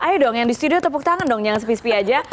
ayo dong yang di studio tepuk tangan dong jangan sepi sepi aja